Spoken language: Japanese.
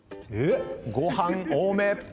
ご飯多め。